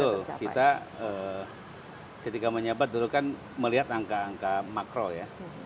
betul kita ketika menyabat dulu kan melihat angka angka makro ya